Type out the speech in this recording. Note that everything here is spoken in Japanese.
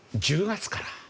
１０月から。